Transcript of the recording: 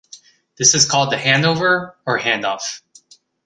This is called the handover or handoff.